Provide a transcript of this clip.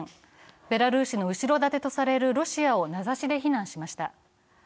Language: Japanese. ベラルーシの後ろ盾とされるロシアを名指しで非難しました。